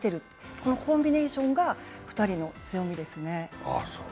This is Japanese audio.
このコンビネーションが２人の強みですね。